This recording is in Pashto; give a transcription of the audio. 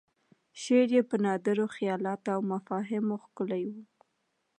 شعر یې په نادرو خیالاتو او مفاهیمو ښکلی و.